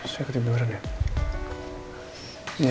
saya ketiduran ya